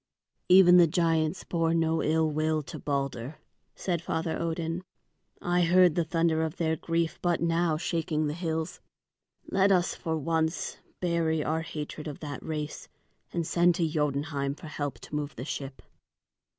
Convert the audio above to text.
"Even the giants bore no ill will to Balder," said Father Odin. "I heard the thunder of their grief but now shaking the hills. Let us for this once bury our hatred of that race and send to Jotunheim for help to move the ship."